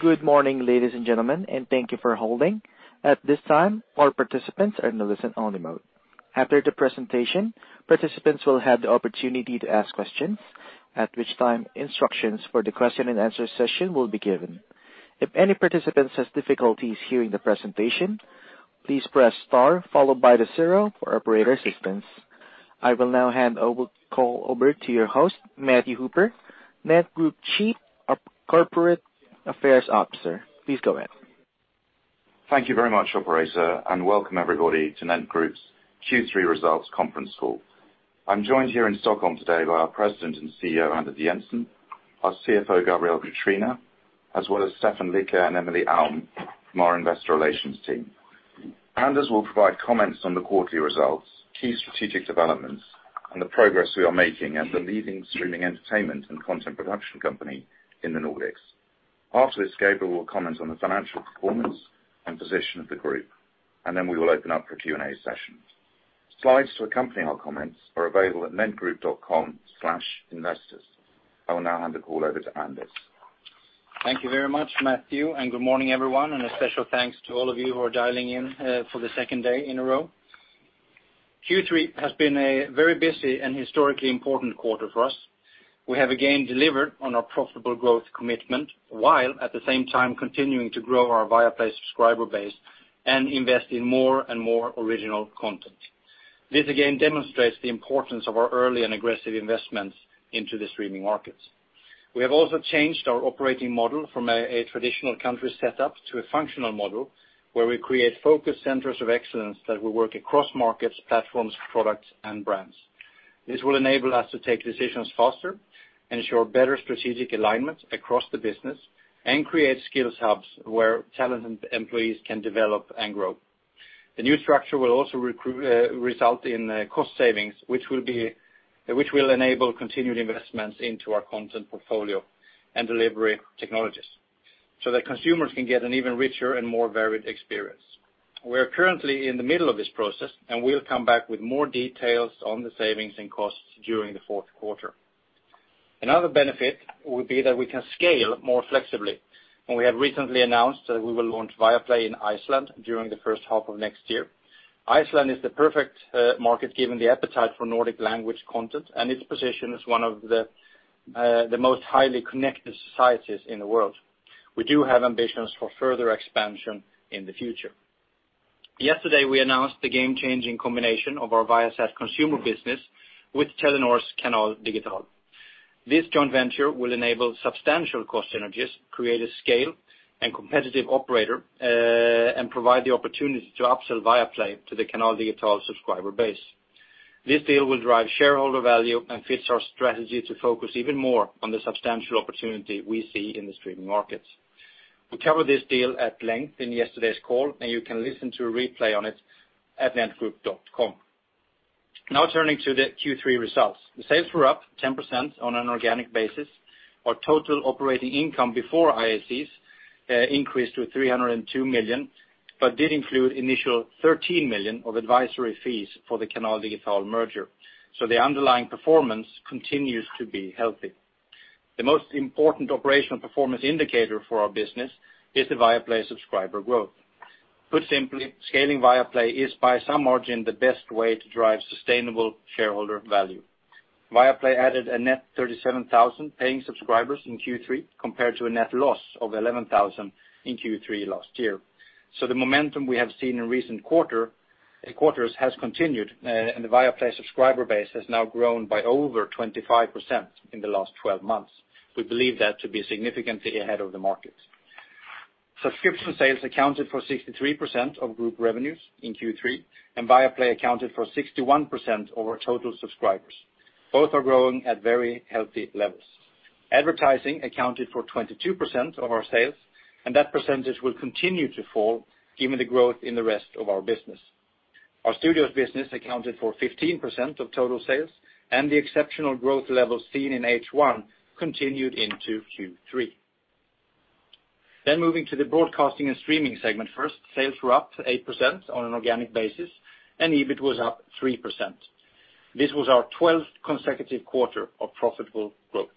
Good morning, ladies and gentlemen, and thank you for holding. At this time, all participants are in the listen-only mode. After the presentation, participants will have the opportunity to ask questions, at which time instructions for the question and answer session will be given. If any participants have difficulties hearing the presentation, please press star followed by the zero for operator assistance. I will now hand the call over to your host, Matthew Hooper, NENT Group Chief Corporate Affairs Officer. Please go ahead. Thank you very much, operator, and welcome everybody to NENT Group's Q3 results conference call. I'm joined here in Stockholm today by our President and CEO, Anders Jensen, our CFO, Gabriel Catrina, as well as Stefan Lycke and Emily Alm from our investor relations team. Anders will provide comments on the quarterly results, key strategic developments, and the progress we are making as the leading streaming entertainment and content production company in the Nordics. After this, Gabriel will comment on the financial performance and position of the group. Then we will open up for a Q&A session. Slides to accompany our comments are available at nentgroup.com/investors. I will now hand the call over to Anders. Thank you very much, Matthew, and good morning, everyone, and a special thanks to all of you who are dialing in for the second day in a row. Q3 has been a very busy and historically important quarter for us. We have again delivered on our profitable growth commitment, while at the same time continuing to grow our Viaplay subscriber base and invest in more and more original content. This again demonstrates the importance of our early and aggressive investments into the streaming markets. We have also changed our operating model from a traditional country setup to a functional model where we create focus centers of excellence that will work across markets, platforms, products, and brands. This will enable us to take decisions faster, ensure better strategic alignment across the business, and create skills hubs where talented employees can develop and grow. The new structure will also result in cost savings, which will enable continued investments into our content portfolio and delivery technologies so that consumers can get an even richer and more varied experience. We are currently in the middle of this process. We'll come back with more details on the savings and costs during the fourth quarter. Another benefit will be that we can scale more flexibly. We have recently announced that we will launch Viaplay in Iceland during the first half of next year. Iceland is the perfect market, given the appetite for Nordic language content and its position as one of the most highly connected societies in the world. We do have ambitions for further expansion in the future. Yesterday, we announced the game-changing combination of our Viasat Consumer business with Telenor's Canal Digital. This joint venture will enable substantial cost synergies, create a scale and competitive operator, provide the opportunity to upsell Viaplay to the Canal Digital subscriber base. This deal will drive shareholder value and fits our strategy to focus even more on the substantial opportunity we see in the streaming markets. We covered this deal at length in yesterday's call, and you can listen to a replay of it at nentgroup.com. Now turning to the Q3 results. The sales were up 10% on an organic basis. Our total operating income before IACs increased to 302 million, did include initial 13 million of advisory fees for the Canal Digital merger. The underlying performance continues to be healthy. The most important operational performance indicator for our business is the Viaplay subscriber growth. Put simply, scaling Viaplay is by some margin the best way to drive sustainable shareholder value. Viaplay added a net 37,000 paying subscribers in Q3 compared to a net loss of 11,000 in Q3 last year. The momentum we have seen in recent quarters has continued, and the Viaplay subscriber base has now grown by over 25% in the last 12 months. We believe that to be significantly ahead of the market. Subscription sales accounted for 63% of group revenues in Q3, and Viaplay accounted for 61% of our total subscribers. Both are growing at very healthy levels. Advertising accounted for 22% of our sales, and that percentage will continue to fall given the growth in the rest of our business. Our studios business accounted for 15% of total sales, and the exceptional growth levels seen in H1 continued into Q3. Moving to the broadcasting and streaming segment first, sales were up 8% on an organic basis, and EBIT was up 3%. This was our 12th consecutive quarter of profitable growth.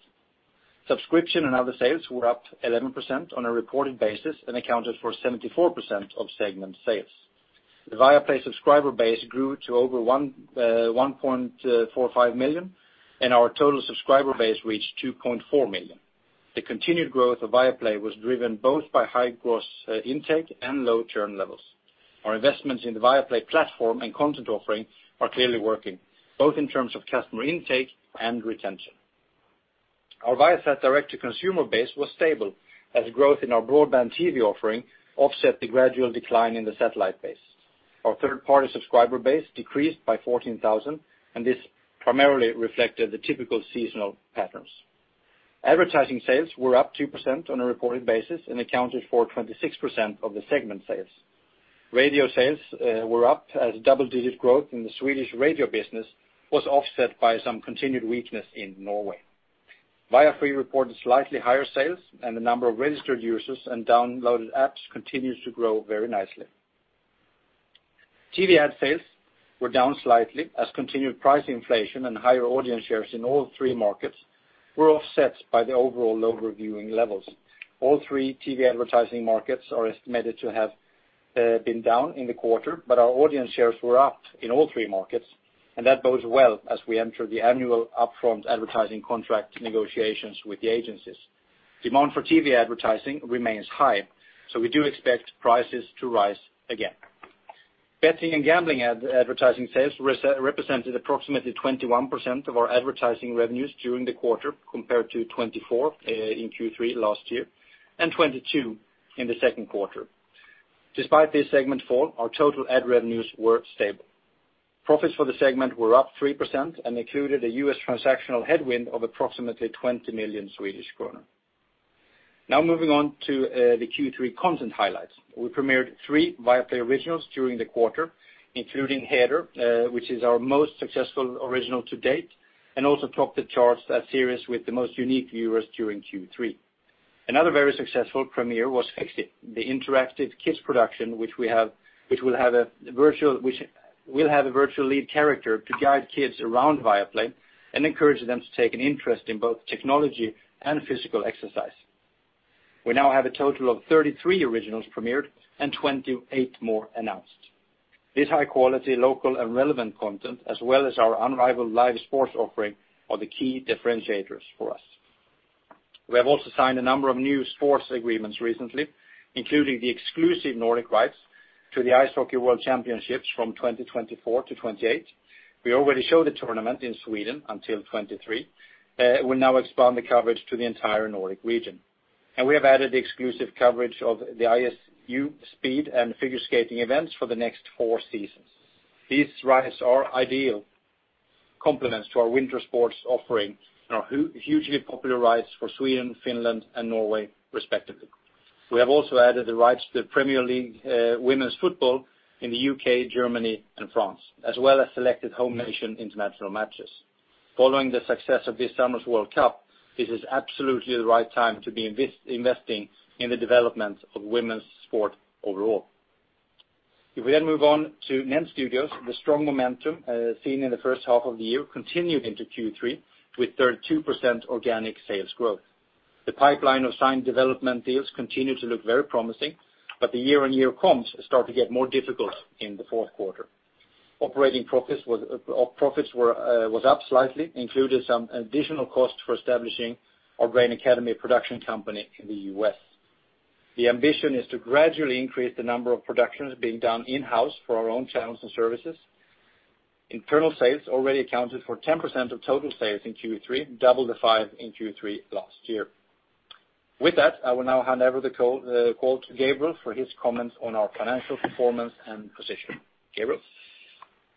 Subscription and other sales were up 11% on a reported basis and accounted for 74% of segment sales. The Viaplay subscriber base grew to over 1.45 million, and our total subscriber base reached 2.4 million. The continued growth of Viaplay was driven both by high gross intake and low churn levels. Our investments in the Viaplay platform and content offering are clearly working, both in terms of customer intake and retention. Our Viasat direct-to-consumer base was stable as growth in our broadband TV offering offset the gradual decline in the satellite base. Our third-party subscriber base decreased by 14,000, and this primarily reflected the typical seasonal patterns. Advertising sales were up 2% on a reported basis and accounted for 26% of the segment sales. Radio sales were up as double-digit growth in the Swedish radio business was offset by some continued weakness in Norway. Viafree reported slightly higher sales, and the number of registered users and downloaded apps continues to grow very nicely. TV ad sales were down slightly as continued price inflation and higher audience shares in all three markets were offset by the overall low reviewing levels. All three TV advertising markets are estimated to have been down in the quarter, but our audience shares were up in all three markets, and that bodes well as we enter the annual upfront advertising contract negotiations with the agencies. Demand for TV advertising remains high, so we do expect prices to rise again. Betting and gambling advertising sales represented approximately 21% of our advertising revenues during the quarter, compared to 24% in Q3 last year, and 22% in the second quarter. Despite this segment fall, our total ad revenues were stable. Profits for the segment were up 3% and included a U.S. transactional headwind of approximately 20 million Swedish kronor. Moving on to the Q3 content highlights. We premiered three Viaplay Originals during the quarter, including "Heder," which is our most successful original to date, and also topped the charts as series with the most unique viewers during Q3. Another very successful premiere was "Fixi in Playland," the interactive kids' production, which will have a virtual lead character to guide kids around Viaplay and encourage them to take an interest in both technology and physical exercise. We now have a total of 33 originals premiered and 28 more announced. This high-quality, local, and relevant content, as well as our unrivaled live sports offering, are the key differentiators for us. We have also signed a number of new sports agreements recently, including the exclusive Nordic rights to the Ice Hockey World Championships from 2024 to 2028. We already show the tournament in Sweden until 2023. We now expand the coverage to the entire Nordic region. We have added the exclusive coverage of the ISU speed and figure skating events for the next four seasons. These rights are ideal complements to our winter sports offering and are hugely popular rights for Sweden, Finland, and Norway, respectively. We have also added the rights to the Premier League women's football in the U.K., Germany, and France, as well as selected home nation international matches. Following the success of this summer's World Cup, this is absolutely the right time to be investing in the development of women's sport overall. If we move on to NENT Studios, the strong momentum seen in the first half of the year continued into Q3 with 32% organic sales growth. The pipeline of signed development deals continued to look very promising, the year-on-year comps start to get more difficult in the fourth quarter. Operating profits was up slightly, including some additional costs for establishing our Brain Academy production company in the U.S. The ambition is to gradually increase the number of productions being done in-house for our own channels and services. Internal sales already accounted for 10% of total sales in Q3, double the five in Q3 last year. With that, I will now hand over the call to Gabriel for his comments on our financial performance and position. Gabriel? Thank you,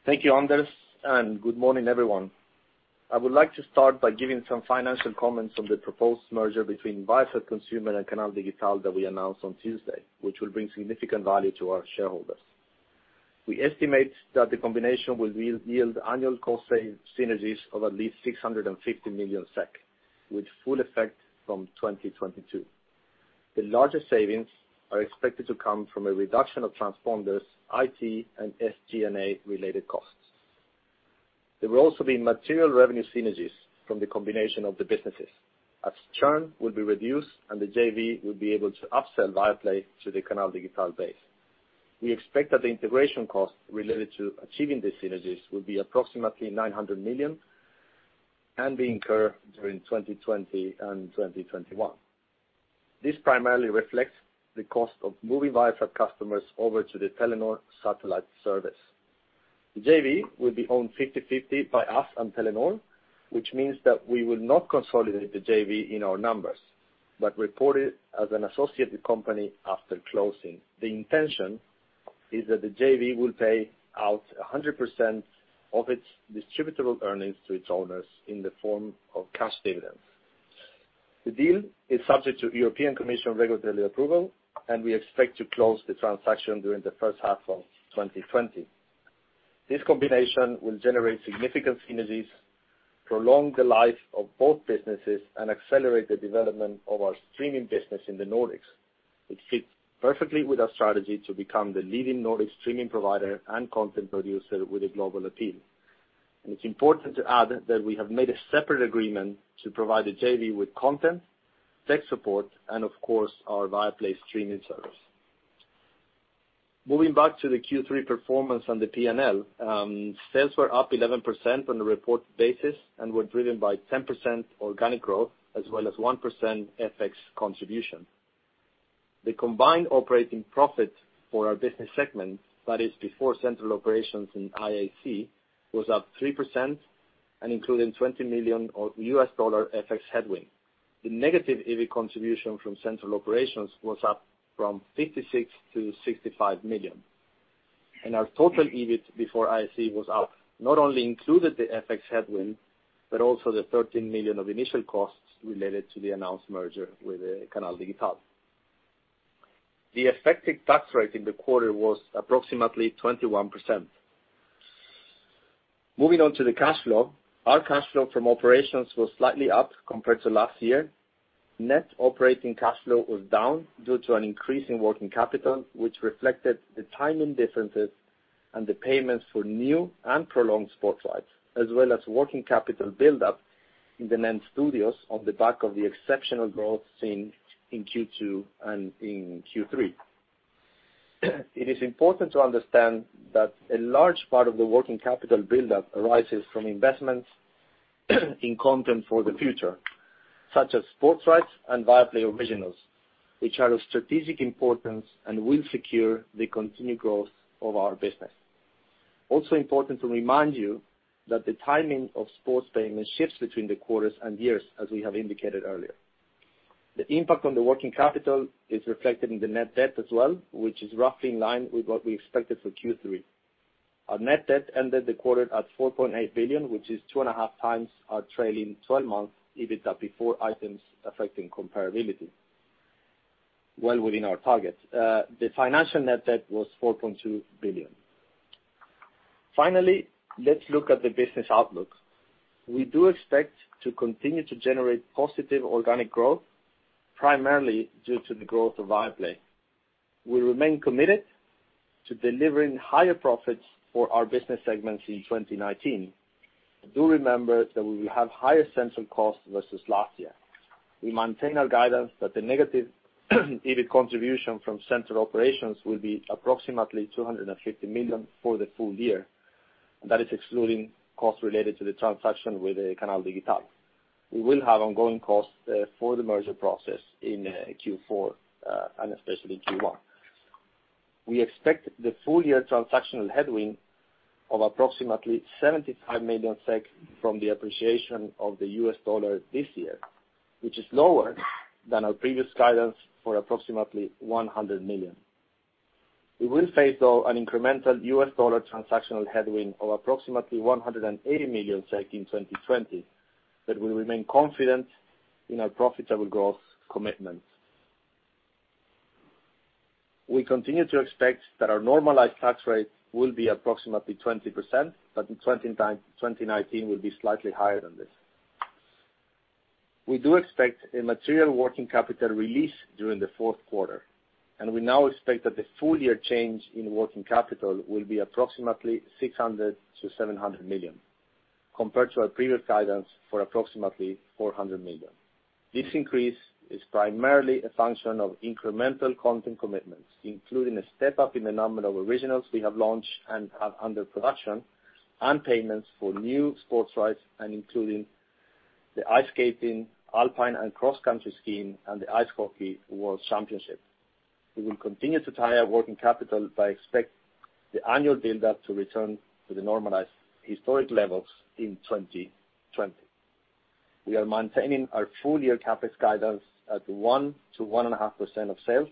Anders. Good morning, everyone. I would like to start by giving some financial comments on the proposed merger between Viasat Consumer and Canal Digital that we announced on Tuesday, which will bring significant value to our shareholders. We estimate that the combination will yield annual cost synergies of at least 650 million SEK, with full effect from 2022. The largest savings are expected to come from a reduction of transponders, IT, and SG&A-related costs. There will also be material revenue synergies from the combination of the businesses, as churn will be reduced and the JV will be able to upsell Viaplay to the Canal Digital base. We expect that the integration costs related to achieving these synergies will be approximately 900 million and be incurred during 2020 and 2021. This primarily reflects the cost of moving Viasat customers over to the Telenor satellite service. The JV will be owned 50/50 by us and Telenor, which means that we will not consolidate the JV in our numbers, but report it as an associated company after closing. The intention is that the JV will pay out 100% of its distributable earnings to its owners in the form of cash dividends. The deal is subject to European Commission regulatory approval. We expect to close the transaction during the first half of 2020. This combination will generate significant synergies, prolong the life of both businesses, accelerate the development of our streaming business in the Nordics. It fits perfectly with our strategy to become the leading Nordic streaming provider and content producer with a global appeal. It's important to add that we have made a separate agreement to provide the JV with content, tech support, and of course, our Viaplay streaming service. Moving back to the Q3 performance on the P&L, sales were up 11% on a reported basis and were driven by 10% organic growth as well as 1% FX contribution. The combined operating profit for our business segment, that is before central operations in IACs, was up 3% and including SEK 20 million FX headwind. The negative EBIT contribution from central operations was up from 56 million to 65 million. Our total EBIT before IACs was up, not only included the FX headwind, but also the 13 million of initial costs related to the announced merger with Canal Digital. The effective tax rate in the quarter was approximately 21%. Moving on to the cash flow. Our cash flow from operations was slightly up compared to last year. Net operating cash flow was down due to an increase in working capital, which reflected the timing differences and the payments for new and prolonged sports rights, as well as working capital buildup in the NENT Studios on the back of the exceptional growth seen in Q2 and in Q3. It is important to understand that a large part of the working capital buildup arises from investments in content for the future, such as sports rights and Viaplay Originals, which are of strategic importance and will secure the continued growth of our business. Also important to remind you that the timing of sports payments shifts between the quarters and years, as we have indicated earlier. The impact on the working capital is reflected in the net debt as well, which is roughly in line with what we expected for Q3. Our net debt ended the quarter at 4.8 billion, which is two and a half times our trailing 12 months, EBITDA before items affecting comparability. Well within our target. The financial net debt was 4.2 billion. Let's look at the business outlook. We do expect to continue to generate positive organic growth, primarily due to the growth of Viaplay. We remain committed to delivering higher profits for our business segments in 2019. Do remember that we will have higher central costs versus last year. We maintain our guidance that the negative EBITDA contribution from central operations will be approximately 250 million for the full year, and that is excluding costs related to the transaction with Canal Digital. We will have ongoing costs for the merger process in Q4, and especially Q1. We expect the full year transactional headwind of approximately 75 million SEK from the appreciation of the U.S. dollar this year, which is lower than our previous guidance for approximately 100 million. We will face, though, an incremental U.S. dollar transactional headwind of approximately 180 million in 2020, but we remain confident in our profitable growth commitment. We continue to expect that our normalized tax rate will be approximately 20%, but in 2019 will be slightly higher than this. We do expect a material working capital release during the fourth quarter, and we now expect that the full year change in working capital will be approximately 600 million-700 million, compared to our previous guidance for approximately 400 million. This increase is primarily a function of incremental content commitments, including a step up in the number of originals we have launched and have under production, and payments for new sports rights and including the ice skating, alpine and cross-country skiing, and the Ice Hockey World Championship. We will continue to tie our working capital but expect the annual buildup to return to the normalized historic levels in 2020. We are maintaining our full-year CapEx guidance at 1% to 1.5% of sales.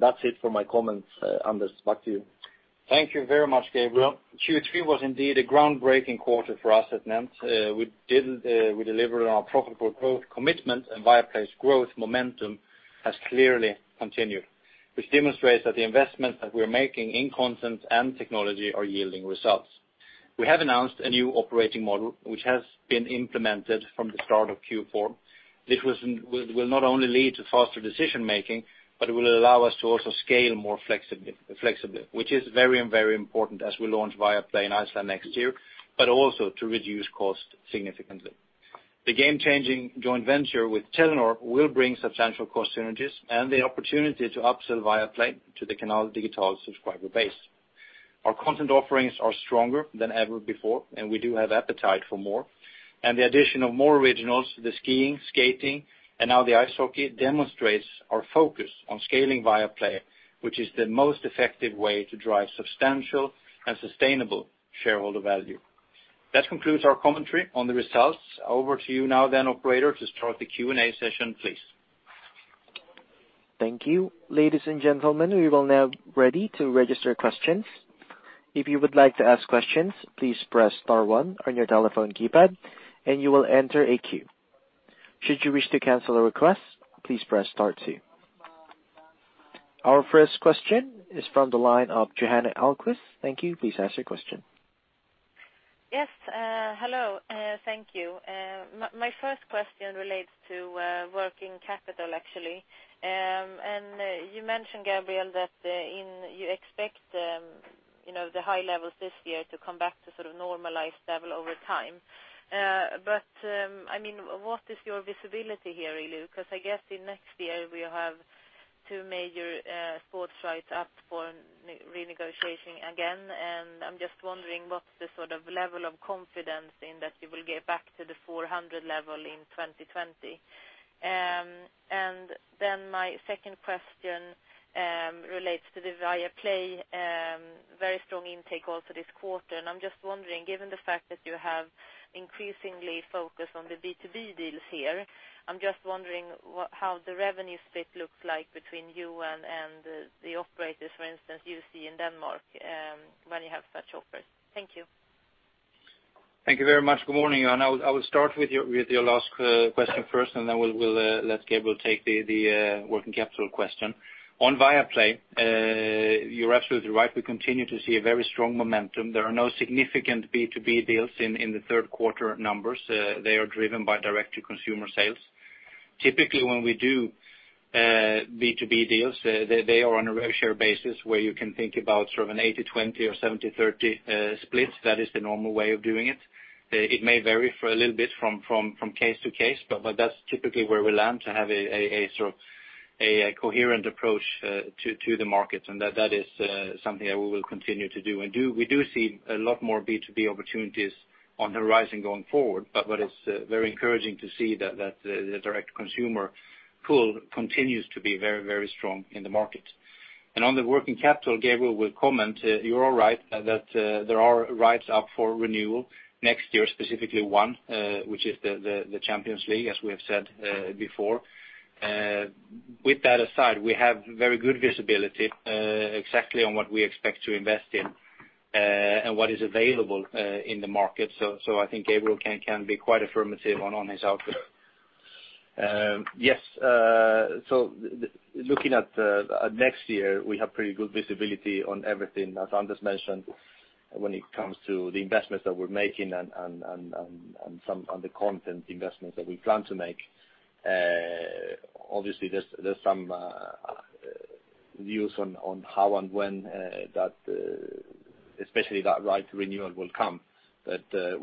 That's it for my comments. Anders, back to you. Thank you very much, Gabriel. Q3 was indeed a groundbreaking quarter for us at NENT. Viaplay's growth momentum has clearly continued, which demonstrates that the investments that we're making in content and technology are yielding results. We have announced a new operating model, which has been implemented from the start of Q4. This will not only lead to faster decision making, but it will allow us to also scale more flexibly, which is very important as we launch Viaplay in Iceland next year, but also to reduce cost significantly. The game-changing joint venture with Telenor will bring substantial cost synergies and the opportunity to upsell Viaplay to the Canal Digital subscriber base. Our content offerings are stronger than ever before, and we do have appetite for more. The addition of more originals, the skiing, skating, and now the ice hockey, demonstrates our focus on scaling Viaplay, which is the most effective way to drive substantial and sustainable shareholder value. That concludes our commentary on the results. Over to you now, operator, to start the Q&A session, please. Thank you. Ladies and gentlemen, we are now ready to register questions. If you would like to ask questions, please press star one on your telephone keypad and you will enter a queue. Should you wish to cancel a request, please press star two. Our first question is from the line of Johanna Ahlquist. Thank you. Please ask your question. Yes. Hello. Thank you. My first question relates to working capital, actually. You mentioned, Gabriel, that you expect the high levels this year to come back to a sort of normalized level over time. What is your visibility here, really? Because I guess in next year, we'll have 2 major sports rights up for renegotiation again, and I'm just wondering what's the sort of level of confidence in that you will get back to the 400 level in 2020. My second question relates to the Viaplay very strong intake also this quarter. I'm just wondering, given the fact that you have increasingly focused on the B2B deals here, I'm just wondering how the revenue split looks like between you and the operators, for instance, you see in Denmark, when you have such offers. Thank you. Thank you very much. Good morning, Johanna. I will start with your last question first, and then we'll let Gabriel take the working capital question. On Viaplay, you're absolutely right. We continue to see a very strong momentum. There are no significant B2B deals in the third quarter numbers. They are driven by direct-to-consumer sales. Typically, when we do B2B deals, they are on a rev share basis where you can think about sort of an 80/20 or 70/30 split. That is the normal way of doing it. It may vary for a little bit from case to case, but that's typically where we land to have a coherent approach to the market, and that is something that we will continue to do. We do see a lot more B2B opportunities on the horizon going forward, but it's very encouraging to see that the direct consumer pool continues to be very strong in the market. On the working capital, Gabriel will comment. You are all right that there are rights up for renewal next year, specifically one, which is the Champions League, as we have said before. With that aside, we have very good visibility exactly on what we expect to invest in and what is available in the market. I think Gabriel can be quite affirmative on his outlook. Yes. Looking at next year, we have pretty good visibility on everything, as Anders mentioned, when it comes to the investments that we're making and on the content investments that we plan to make. Obviously, there's some views on how and when especially that right renewal will come. Aside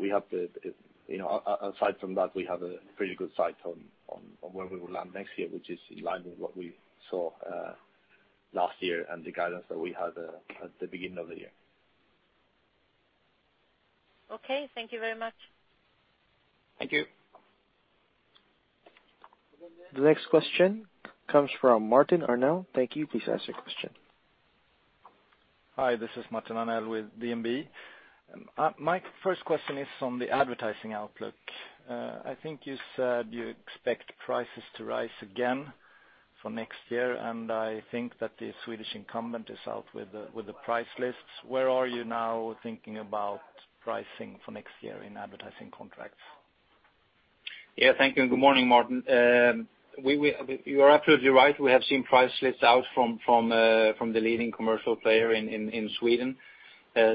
from that, we have a pretty good sight on where we will land next year, which is in line with what we saw last year and the guidance that we had at the beginning of the year. Okay. Thank you very much. Thank you. The next question comes from Martin Arnell. Thank you. Please ask your question. Hi, this is Martin Arnell with DNB. My first question is on the advertising outlook. I think you said you expect prices to rise again for next year. I think that the Swedish incumbent is out with the price lists. Where are you now thinking about pricing for next year in advertising contracts? Yeah, thank you, and good morning, Martin. You are absolutely right. We have seen price lists out from the leading commercial player in Sweden,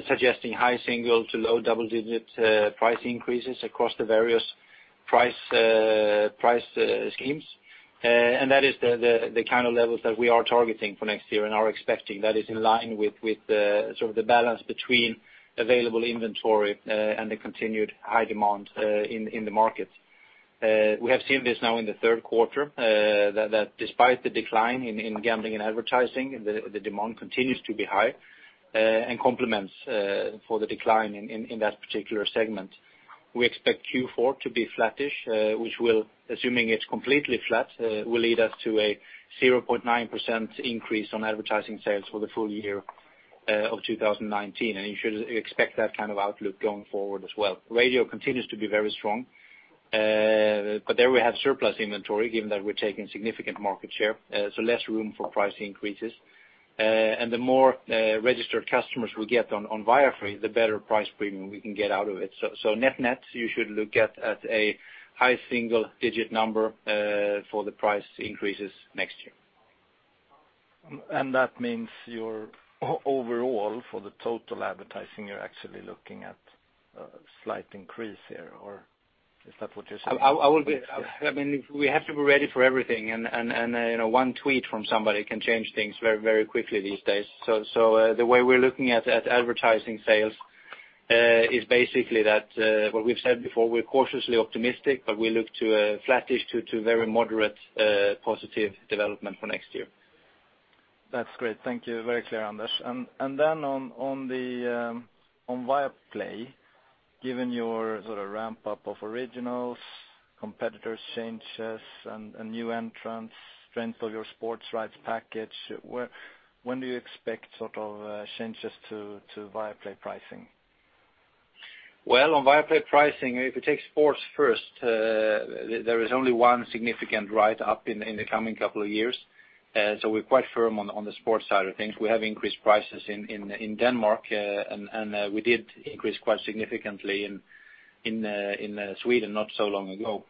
suggesting high single to low double-digit price increases across the various price schemes. That is the kind of levels that we are targeting for next year and are expecting. That is in line with the balance between available inventory and the continued high demand in the market. We have seen this now in the third quarter, that despite the decline in gambling and advertising, the demand continues to be high and complements for the decline in that particular segment. We expect Q4 to be flattish, which will, assuming it's completely flat, will lead us to a 0.9% increase on advertising sales for the full year of 2019, and you should expect that kind of outlook going forward as well. Radio continues to be very strong, but there we have surplus inventory given that we're taking significant market share, so less room for price increases. The more registered customers we get on Viafree, the better price premium we can get out of it. Net-net, you should look at a high single-digit number for the price increases next year. That means overall for the total advertising, you're actually looking at a slight increase here, or is that what you're saying? We have to be ready for everything. One tweet from somebody can change things very quickly these days. The way we're looking at advertising sales is basically what we've said before. We're cautiously optimistic, we look to a flattish to very moderate positive development for next year. That's great. Thank you. Very clear, Anders. On Viaplay, given your sort of ramp-up of originals, competitors changes, and new entrants, strength of your sports rights package, when do you expect sort of changes to Viaplay pricing? On Viaplay pricing, if you take sports first, there is only one significant write-up in the coming couple of years. We're quite firm on the sports side of things. We have increased prices in Denmark, and we did increase quite significantly in Sweden not so long ago.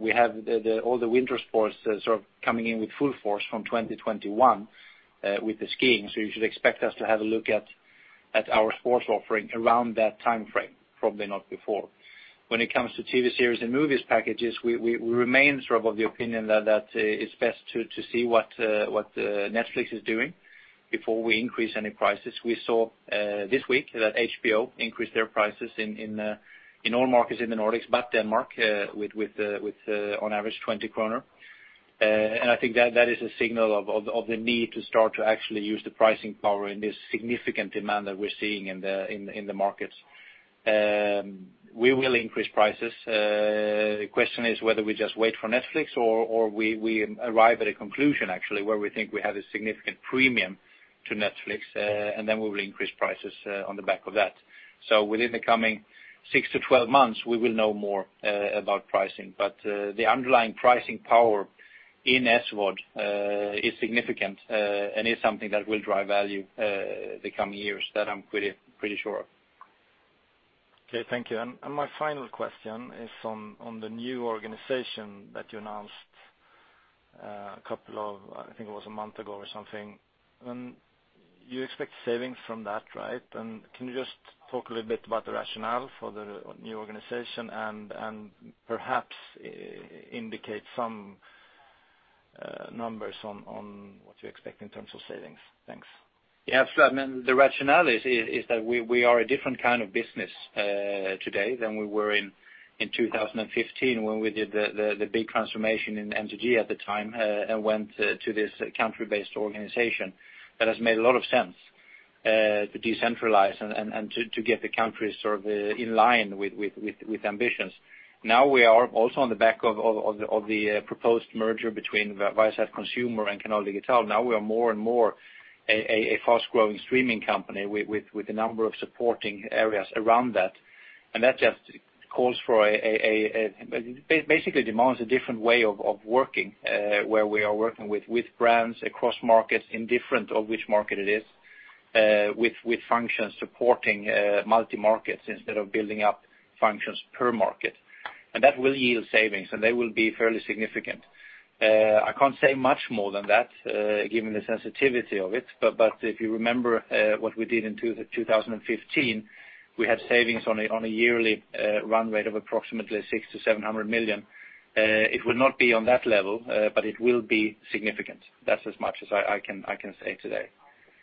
We have all the winter sports sort of coming in with full force from 2021 with the skiing, you should expect us to have a look at our sports offering around that timeframe, probably not before. When it comes to TV series and movies packages, we remain of the opinion that it's best to see what Netflix is doing before we increase any prices. We saw this week that HBO increased their prices in all markets in the Nordics but Denmark with on average 20 kronor. I think that is a signal of the need to start to actually use the pricing power in this significant demand that we're seeing in the markets. We will increase prices. Question is whether we just wait for Netflix or we arrive at a conclusion, actually, where we think we have a significant premium to Netflix, and then we will increase prices on the back of that. Within the coming six to 12 months, we will know more about pricing. The underlying pricing power in SVOD is significant and is something that will drive value the coming years. That I'm pretty sure of. Okay, thank you. My final question is on the new organization that you announced, I think it was a month ago or something. You expect savings from that, right? Can you just talk a little bit about the rationale for the new organization and perhaps indicate some numbers on what you expect in terms of savings? Thanks. Yeah, absolutely. The rationale is that we are a different kind of business today than we were in 2015 when we did the big transformation in MTG at the time, and went to this country-based organization. That has made a lot of sense to decentralize and to get the country sort of in line with ambitions. Now we are also on the back of the proposed merger between Viasat Consumer and Canal Digital. Now we are more and more a fast-growing streaming company with a number of supporting areas around that. That just basically demands a different way of working, where we are working with brands across markets, indifferent of which market it is, with functions supporting multi-markets instead of building up functions per market. That will yield savings, and they will be fairly significant. I can't say much more than that, given the sensitivity of it. If you remember what we did in 2015, we had savings on a yearly run rate of approximately 600 million-700 million. It will not be on that level, but it will be significant. That's as much as I can say today.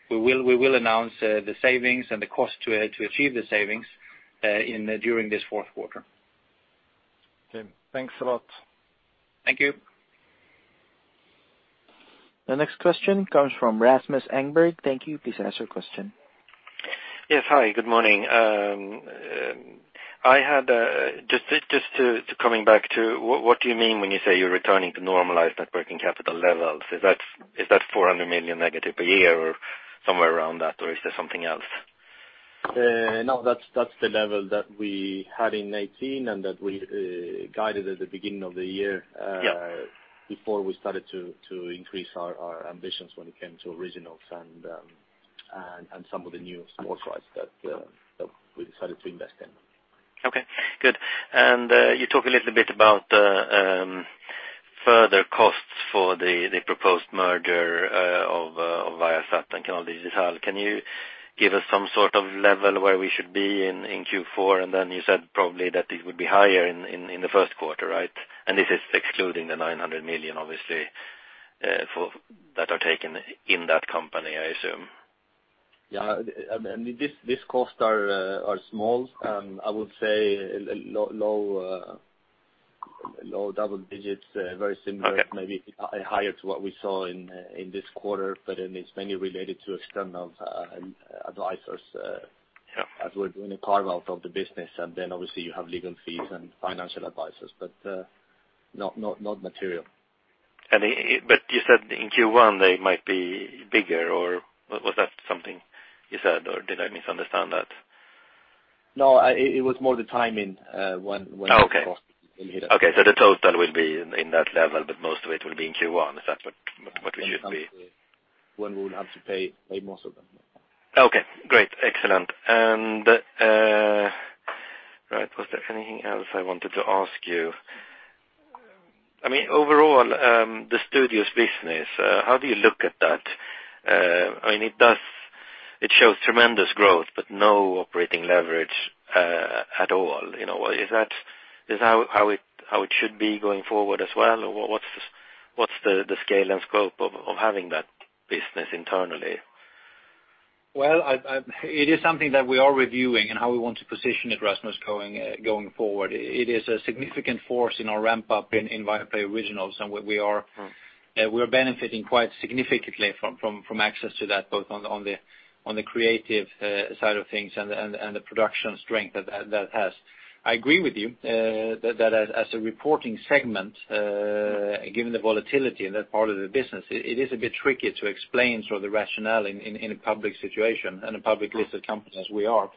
We will announce the savings and the cost to achieve the savings during this fourth quarter. Okay. Thanks a lot. Thank you. The next question comes from Rasmus Engberg. Thank you. Please ask your question. Yes. Hi, good morning. Coming back to what do you mean when you say you're returning to normalized net working capital levels? Is that 400 million negative a year or somewhere around that, or is there something else? No, that's the level that we had in 2018 and that we guided at the beginning of the year. Yeah Before we started to increase our ambitions when it came to originals and some of the new sports rights that we decided to invest in. Okay, good. You talk a little bit about further costs for the proposed merger of Viasat and Canal Digital. Can you give us some sort of level where we should be in Q4? Then you said probably that it would be higher in the first quarter, right? This is excluding the 900 million, obviously, that are taken in that company, I assume. Yeah. These costs are small. I would say low double digits, very similar- Okay maybe higher to what we saw in this quarter, but then it's mainly related to external advisors. Yeah as we're doing a carve-out of the business. Then obviously you have legal fees and financial advisors, but not material. You said in Q1 they might be bigger, or was that something you said, or did I misunderstand that? No, it was more the timing. Okay the cost will hit us. Okay. The total will be in that level, but most of it will be in Q1. Is that what you said? When we will have to pay most of them. Okay, great. Excellent. Was there anything else I wanted to ask you? Overall, the Studios business, how do you look at that? It shows tremendous growth, but no operating leverage at all. Is that how it should be going forward as well? Or what's the scale and scope of having that business internally? Well, it is something that we are reviewing and how we want to position it, Rasmus, going forward. It is a significant force in our ramp-up in Viaplay Originals, and we are benefiting quite significantly from access to that, both on the creative side of things and the production strength that has. I agree with you that as a reporting segment, given the volatility in that part of the business, it is a bit tricky to explain sort of the rationale in a public situation, in a publicly listed company as we are.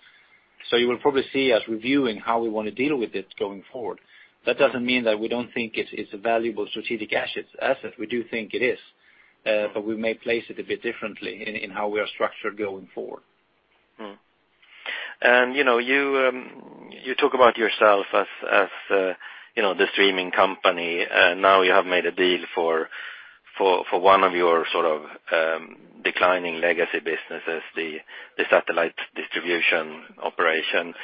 You will probably see us reviewing how we want to deal with it going forward. That doesn't mean that we don't think it's a valuable strategic asset. We do think it is. We may place it a bit differently in how we are structured going forward. You talk about yourself as the streaming company. Now you have made a deal for one of your sort of declining legacy businesses, the satellite distribution operation.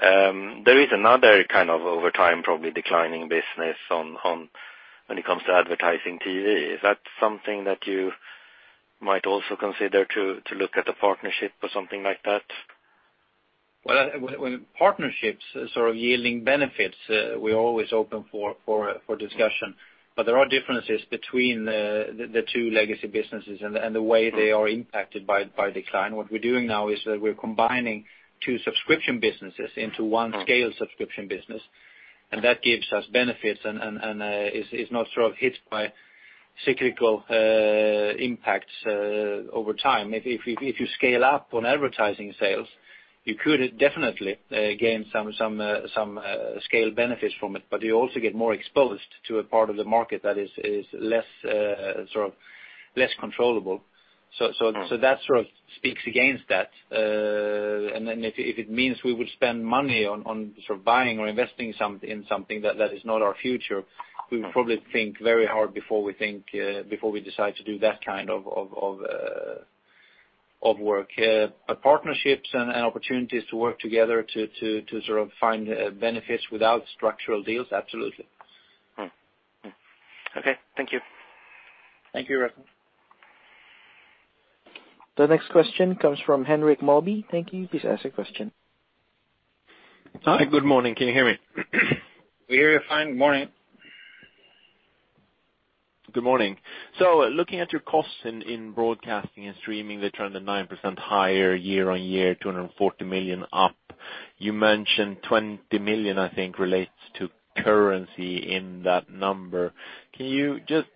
There is another kind of over time, probably declining business when it comes to advertising TV. Is that something that you might also consider to look at a partnership or something like that? Partnerships sort of yielding benefits, we're always open for discussion. There are differences between the two legacy businesses and the way they are impacted by decline. What we're doing now is we're combining two subscription businesses into one scaled subscription business, and that gives us benefits and is not sort of hit by cyclical impacts over time. If you scale up on advertising sales, you could definitely gain some scale benefits from it, but you also get more exposed to a part of the market that is less controllable. That sort of speaks against that. If it means we would spend money on buying or investing in something that is not our future, we would probably think very hard before we decide to do that kind of work. Partnerships and opportunities to work together to find benefits without structural deals, absolutely. Okay. Thank you. Thank you, Rasmus. The next question comes from Henrik Malby. Thank you. Please ask your question. Hi. Good morning. Can you hear me? We hear you fine. Morning. Good morning. Looking at your costs in broadcasting and streaming, they turned to 9% higher year on year, 240 million up. You mentioned 20 million, I think, relates to currency in that number. Can you just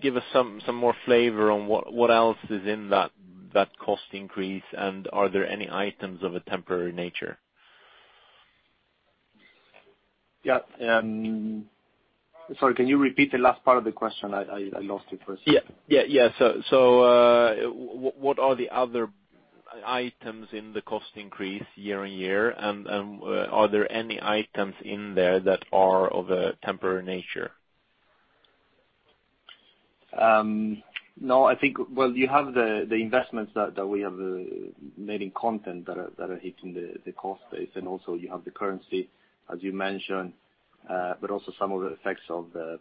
give us some more flavor on what else is in that cost increase? Are there any items of a temporary nature? Yeah. Sorry, can you repeat the last part of the question? I lost it first. Yeah. What are the other items in the cost increase year-on-year and are there any items in there that are of a temporary nature? No, I think, well, you have the investments that we have made in content that are hitting the cost base. Also you have the currency, as you mentioned, but also some of the effects of the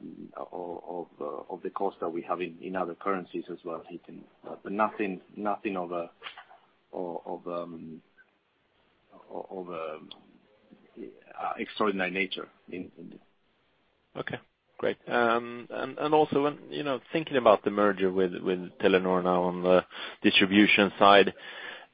cost that we have in other currencies as well hitting. Nothing of extraordinary nature. Okay, great. Thinking about the merger with Telenor now on the distribution side,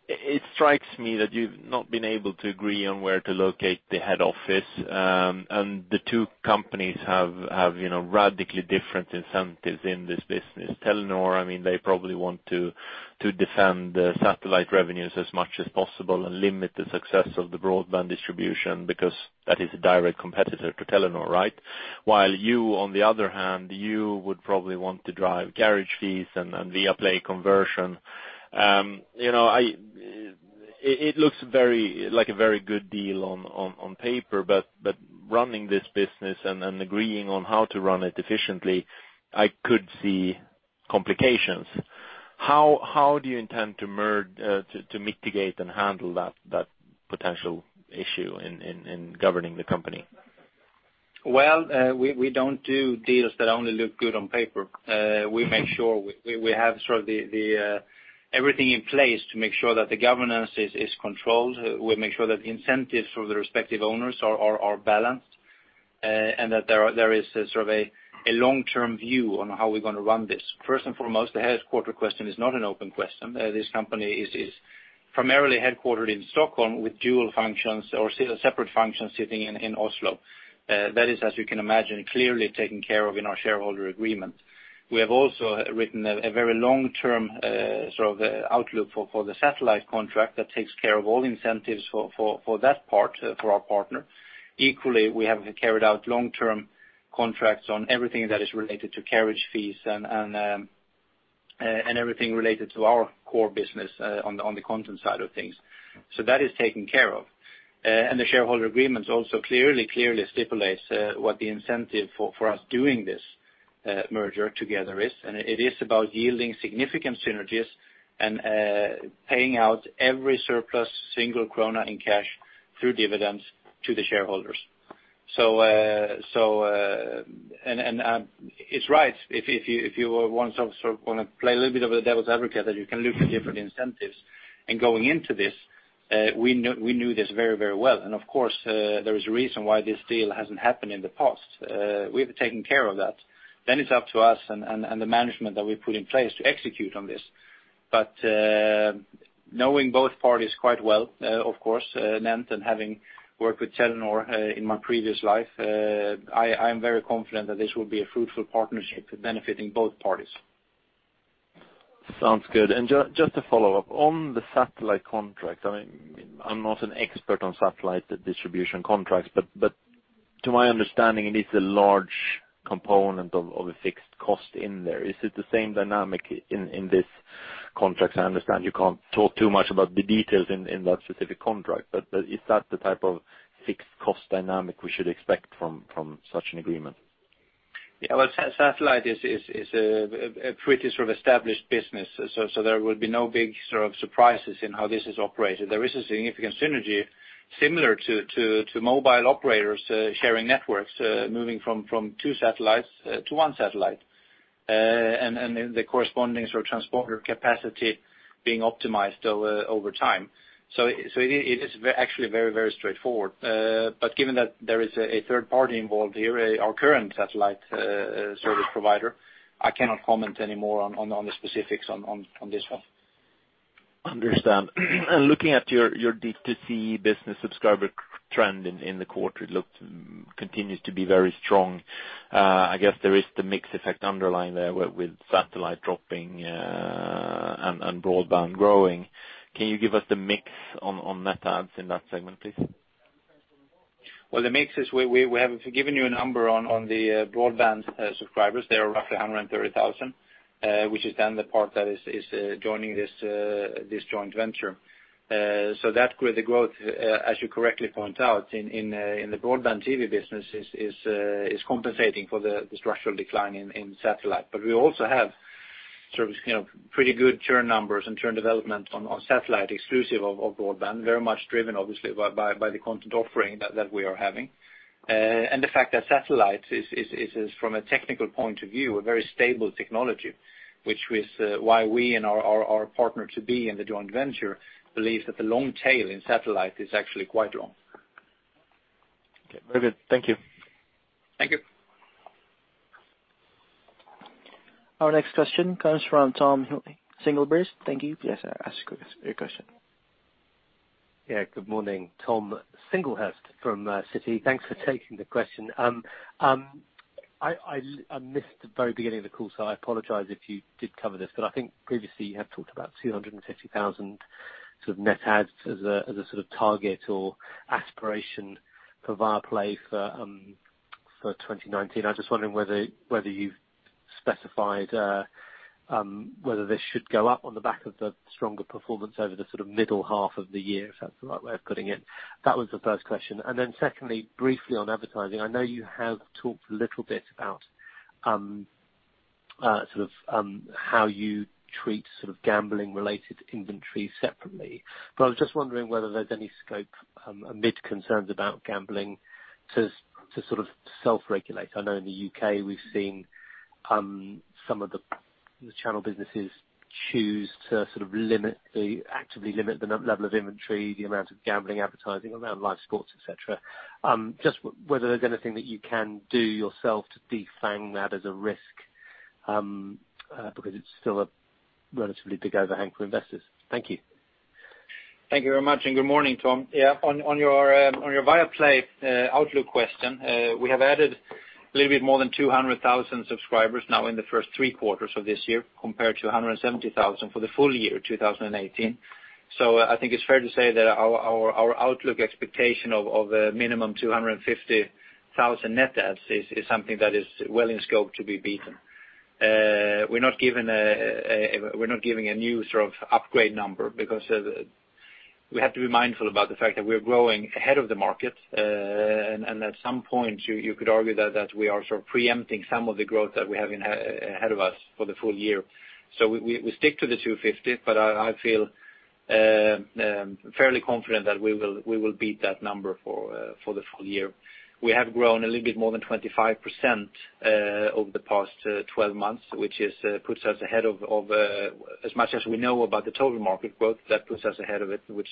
it strikes me that you've not been able to agree on where to locate the head office. The two companies have radically different incentives in this business. Telenor, they probably want to defend the satellite revenues as much as possible and limit the success of the broadband distribution because that is a direct competitor to Telenor, right? While you, on the other hand, you would probably want to drive carriage fees and Viaplay conversion. It looks like a very good deal on paper, running this business and agreeing on how to run it efficiently, I could see complications. How do you intend to mitigate and handle that potential issue in governing the company? Well, we don't do deals that only look good on paper. We make sure we have everything in place to make sure that the governance is controlled. We make sure that incentives for the respective owners are balanced, and that there is a long-term view on how we're going to run this. First and foremost, the headquarter question is not an open question. This company is primarily headquartered in Stockholm with dual functions or separate functions sitting in Oslo. That is, as you can imagine, clearly taken care of in our shareholder agreement. We have also written a very long-term outlook for the satellite contract that takes care of all incentives for that part for our partner. Equally, we have carried out long-term contracts on everything that is related to carriage fees and everything related to our core business on the content side of things. That is taken care of. The shareholder agreements also clearly stipulates what the incentive for us doing this merger together is, and it is about yielding significant synergies and paying out every surplus single krona in cash through dividends to the shareholders. It's right. If you want to play a little bit of a devil's advocate that you can look for different incentives in going into this, we knew this very well. Of course, there is a reason why this deal hasn't happened in the past. We have taken care of that. It's up to us and the management that we put in place to execute on this. Knowing both parties quite well, of course, NENT and having worked with Telenor in my previous life, I am very confident that this will be a fruitful partnership benefiting both parties. Sounds good. Just to follow up, on the satellite contract, I am not an expert on satellite distribution contracts, but to my understanding, it is a large component of a fixed cost in there. Is it the same dynamic in this contract? I understand you cannot talk too much about the details in that specific contract, but is that the type of fixed cost dynamic we should expect from such an agreement? Well, satellite is a pretty established business. There will be no big surprises in how this is operated. There is a significant synergy similar to mobile operators sharing networks, moving from two satellites to one satellite, and the corresponding transponder capacity being optimized over time. It is actually very straightforward. Given that there is a third party involved here, our current satellite service provider, I cannot comment any more on the specifics on this one. Understand. Looking at your D2C business subscriber trend in the quarter, it continues to be very strong. I guess there is the mix effect underlying there with satellite dropping and broadband growing. Can you give us the mix on net adds in that segment, please? The mix is we have given you a number on the broadband subscribers. They are roughly 130,000, which is the part that is joining this joint venture. That, with the growth, as you correctly point out, in the broadband TV business, is compensating for the structural decline in satellite. We also have pretty good churn numbers and churn development on satellite exclusive of broadband, very much driven obviously by the content offering that we are having. The fact that satellite is, from a technical point of view, a very stable technology, which is why we and our partner to be in the joint venture believe that the long tail in satellite is actually quite long. Okay. Very good. Thank you. Thank you. Our next question comes from Tom Singlehurst. Thank you. Please ask your question. Yeah. Good morning. Tom Singlehurst from Citi. Thanks for taking the question. I missed the very beginning of the call, so I apologize if you did cover this, but I think previously you had talked about 250,000 net adds as a target or aspiration for Viaplay for 2019. I'm just wondering whether you've specified whether this should go up on the back of the stronger performance over the middle half of the year, if that's the right way of putting it. That was the first question. Secondly, briefly on advertising, I know you have talked a little bit about how you treat gambling-related inventory separately, but I was just wondering whether there's any scope amid concerns about gambling to self-regulate. I know in the U.K. we've seen some of the channel businesses choose to actively limit the level of inventory, the amount of gambling advertising around live sports, et cetera. Whether there's anything that you can do yourself to defang that as a risk, because it's still a relatively big overhang for investors. Thank you. Thank you very much. Good morning, Tom. Yeah. On your Viaplay outlook question, we have added a little bit more than 200,000 subscribers now in the first three quarters of this year, compared to 170,000 for the full year 2018. I think it's fair to say that our outlook expectation of a minimum 250,000 net adds is something that is well in scope to be beaten. We're not giving a new upgrade number because we have to be mindful about the fact that we're growing ahead of the market. At some point, you could argue that we are preempting some of the growth that we have ahead of us for the full year. We stick to the 250, but I feel fairly confident that we will beat that number for the full year. We have grown a little bit more than 25% over the past 12 months, which puts us ahead of, as much as we know about the total market growth, that puts us ahead of it, which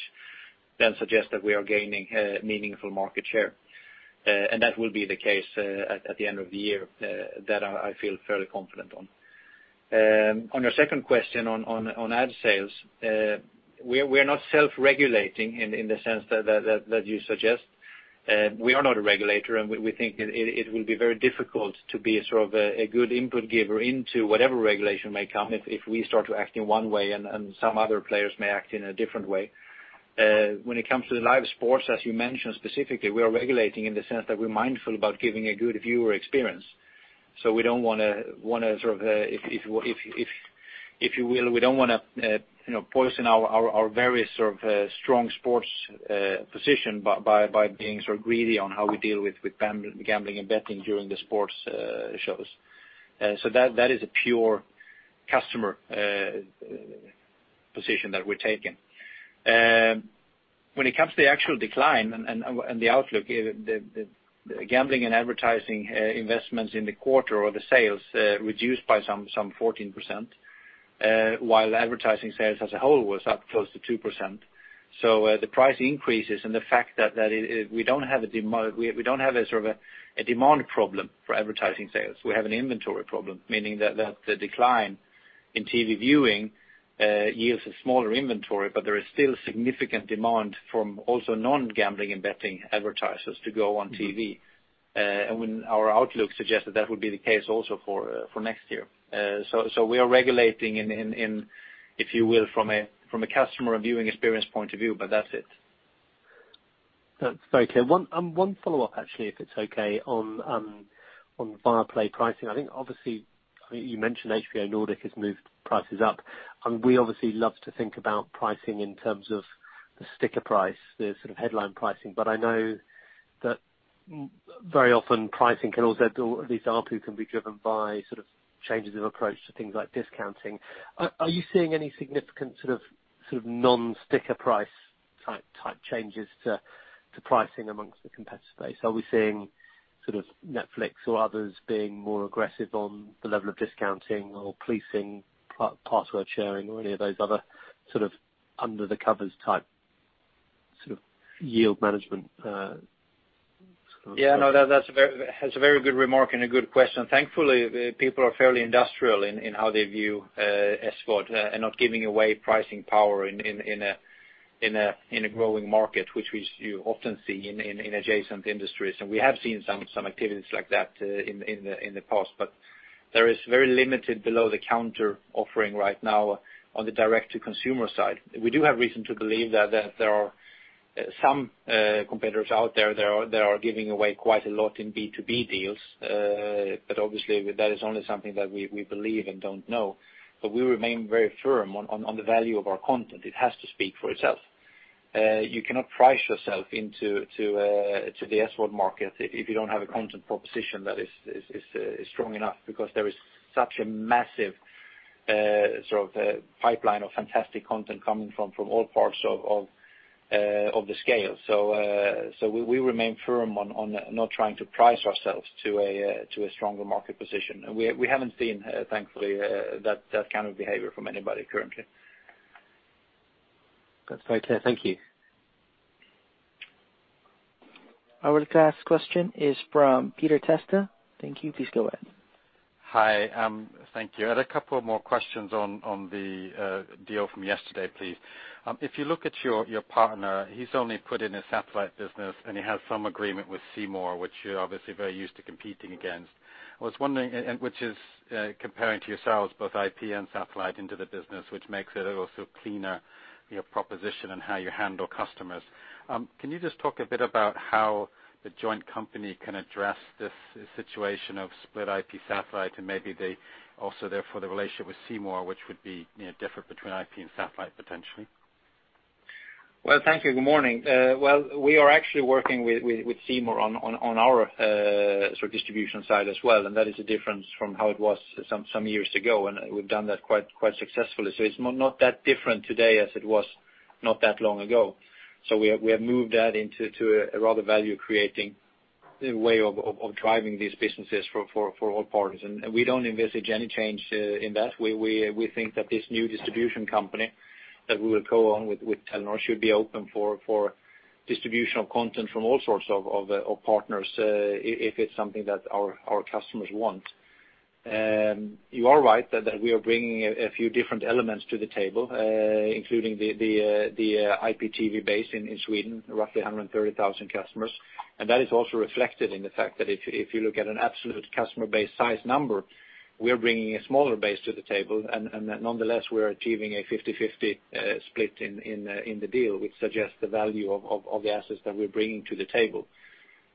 then suggests that we are gaining meaningful market share. That will be the case at the end of the year. That I feel fairly confident on. On your second question on ad sales, we are not self-regulating in the sense that you suggest. We are not a regulator, and we think it will be very difficult to be a good input giver into whatever regulation may come if we start to act in one way and some other players may act in a different way. When it comes to the live sports, as you mentioned specifically, we are regulating in the sense that we're mindful about giving a good viewer experience. We don't want to, if you will, we don't want to poison our very strong sports position by being greedy on how we deal with gambling and betting during the sports shows. That is a pure customer position that we're taking. When it comes to the actual decline and the outlook, the gambling and advertising investments in the quarter or the sales reduced by some 14%, while advertising sales as a whole was up close to 2%. The price increases and the fact that we don't have a demand problem for advertising sales. We have an inventory problem, meaning that the decline in TV viewing yields a smaller inventory, but there is still significant demand from also non-gambling and betting advertisers to go on TV. Our outlook suggests that that will be the case also for next year. We are regulating, if you will, from a customer viewing experience point of view, but that's it. That's very clear. One follow-up, actually, if it's okay. Viaplay pricing, I think obviously, you mentioned HBO Nordic has moved prices up, we obviously love to think about pricing in terms of the sticker price, the headline pricing. I know that very often pricing can also, at least ARPU, can be driven by changes of approach to things like discounting. Are you seeing any significant non-sticker price type changes to pricing amongst the competitor space? Are we seeing Netflix or others being more aggressive on the level of discounting or policing password sharing or any of those other under the covers type yield management schemes? Yeah, no, that's a very good remark and a good question. Thankfully, people are fairly industrial in how they view SVOD and not giving away pricing power in a growing market, which you often see in adjacent industries. We have seen some activities like that in the past, but there is very limited below the counter offering right now on the direct to consumer side. We do have reason to believe that there are some competitors out there that are giving away quite a lot in B2B deals. Obviously, that is only something that we believe and don't know. We remain very firm on the value of our content. It has to speak for itself. You cannot price yourself into the SVOD market if you don't have a content proposition that is strong enough, because there is such a massive pipeline of fantastic content coming from all parts of the scale. We remain firm on not trying to price ourselves to a stronger market position. We haven't seen, thankfully, that kind of behavior from anybody currently. That's very clear. Thank you. Our last question is from Peter Testa. Thank you. Please go ahead. Hi. Thank you. I had a couple more questions on the deal from yesterday, please. If you look at your partner, he's only put in a satellite business, and he has some agreement with C More, which you're obviously very used to competing against. I was wondering, which is comparing to yourselves both IP and satellite into the business, which makes it a also cleaner proposition on how you handle customers. Can you just talk a bit about how the joint company can address this situation of split IP satellite and maybe the Also therefore the relationship with C More, which would be different between IP and satellite potentially? Well, thank you. Good morning. Well, we are actually working with C More on our distribution side as well. That is a difference from how it was some years ago. We've done that quite successfully. It's not that different today as it was not that long ago. We have moved that into a rather value-creating way of driving these businesses for all parties. We don't envisage any change in that. We think that this new distribution company that we will co-own with Telenor should be open for distribution of content from all sorts of partners, if it's something that our customers want. You are right that we are bringing a few different elements to the table, including the IPTV base in Sweden, roughly 130,000 customers. That is also reflected in the fact that if you look at an absolute customer base size number, we're bringing a smaller base to the table, and that nonetheless we're achieving a 50/50 split in the deal, which suggests the value of the assets that we're bringing to the table.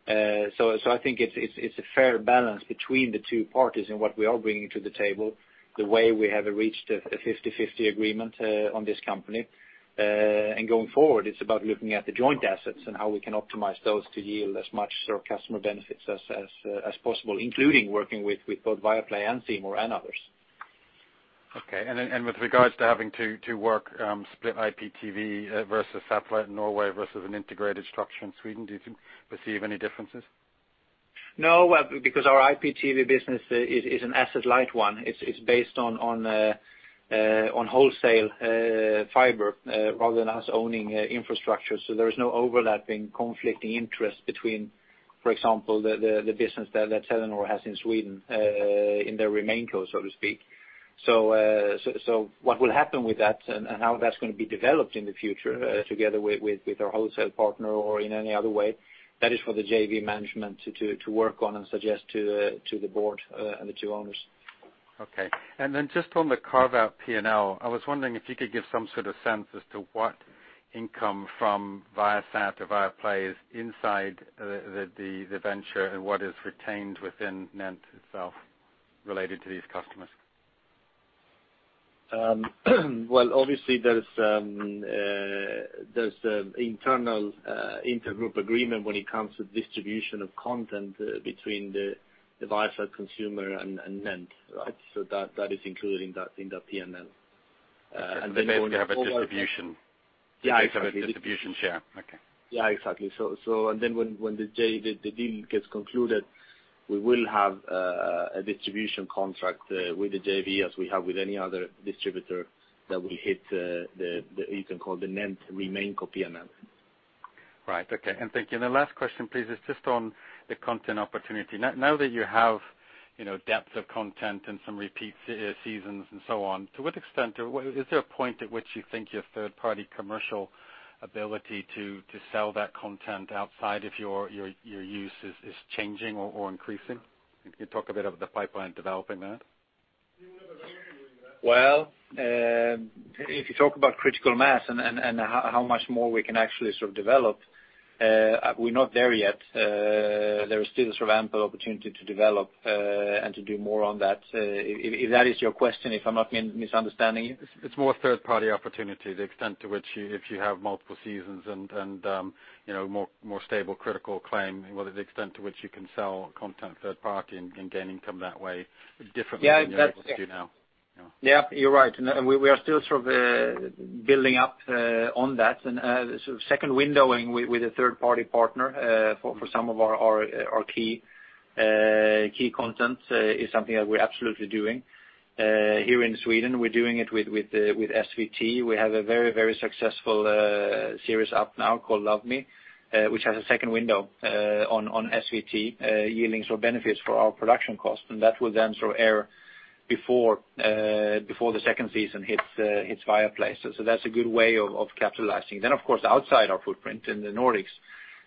I think it's a fair balance between the two parties and what we are bringing to the table, the way we have reached a 50/50 agreement on this company. Going forward, it's about looking at the joint assets and how we can optimize those to yield as much customer benefits as possible, including working with both Viaplay and C More and others. Okay. With regards to having to work split IPTV versus satellite in Norway versus an integrated structure in Sweden, do you perceive any differences? Our IPTV business is an asset-light one. It's based on wholesale fiber rather than us owning infrastructure. There is no overlapping conflicting interest between, for example, the business that Telenor has in Sweden, in their RemainCo, so to speak. What will happen with that and how that's going to be developed in the future together with our wholesale partner or in any other way, that is for the JV management to work on and suggest to the board and the two owners. Okay. Just on the carve-out P&L, I was wondering if you could give some sort of sense as to what income from Viasat or Viaplay is inside the venture and what is retained within NENT itself related to these customers. Well, obviously, there's internal inter-group agreement when it comes to distribution of content between the Viasat Consumer and NENT, right? That is included in that P&L. Then going forward- they have a distribution Yeah, exactly. a distribution share. Okay. Yeah, exactly. When the deal gets concluded, we will have a distribution contract with the JV as we have with any other distributor that will hit the, you can call the NENT RemainCo P&L. Right. Okay. Thank you. The last question, please, is just on the content opportunity. Now that you have depth of content and some repeat seasons and so on, to what extent, is there a point at which you think your third-party commercial ability to sell that content outside of your use is changing or increasing? Can you talk a bit of the pipeline developing that? Well, if you talk about critical mass and how much more we can actually develop, we're not there yet. There is still ample opportunity to develop and to do more on that. If that is your question, if I'm not misunderstanding you. It's more third-party opportunity, the extent to which if you have multiple seasons and more stable critical acclaim, what is the extent to which you can sell content third party and gain income that way differently than you're able to do now? Yeah, you're right. We are still building up on that. Second windowing with a third-party partner for some of our key content is something that we're absolutely doing. Here in Sweden, we're doing it with SVT. We have a very successful series up now called "Love Me," which has a second window on SVT, yielding benefits for our production cost. That will then air before the second season hits Viaplay. That's a good way of capitalizing. Of course, outside our footprint in the Nordics,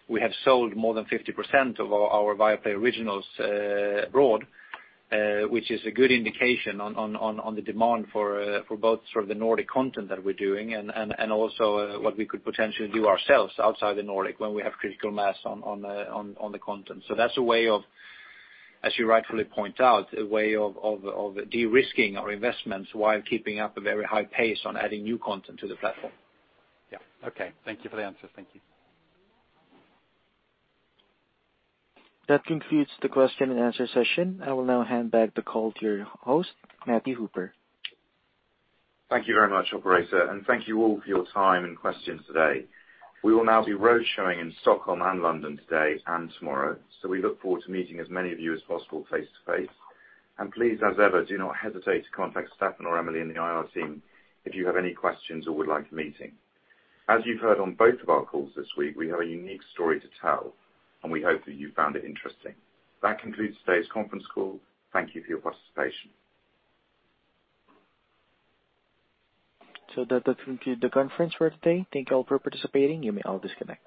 we have sold more than 50% of our Viaplay Originals abroad, which is a good indication on the demand for both the Nordic content that we're doing and also what we could potentially do ourselves outside the Nordic when we have critical mass on the content. That's a way of, as you rightfully point out, a way of de-risking our investments while keeping up a very high pace on adding new content to the platform. Yeah. Okay. Thank you for the answer. Thank you. That concludes the question and answer session. I will now hand back the call to your host, Matthew Hooper. Thank you very much, operator. Thank you all for your time and questions today. We will now be road showing in Stockholm and London today and tomorrow. We look forward to meeting as many of you as possible face to face. Please, as ever, do not hesitate to contact Stefan or Emily in the IR team if you have any questions or would like a meeting. As you've heard on both of our calls this week, we have a unique story to tell. We hope that you found it interesting. That concludes today's conference call. Thank you for your participation. That concludes the conference for today. Thank you all for participating. You may all disconnect.